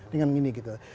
dengan gini gitu